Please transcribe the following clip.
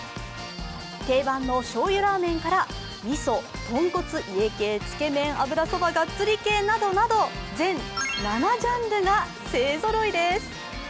定番のしょうゆラーメンからみそ、豚骨、家系、つけ麺、油そば、がっつり系などなど全７ジャンルが勢ぞろいです。